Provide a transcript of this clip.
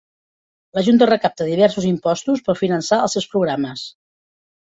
La junta recapta diversos impostos per finançar els seus programes.